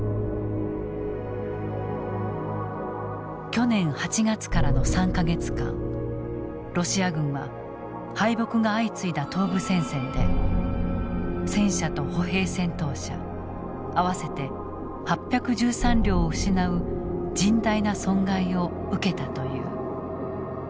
去年８月からの３か月間ロシア軍は敗北が相次いだ東部戦線で戦車と歩兵戦闘車合わせて８１３両を失う甚大な損害を受けたという。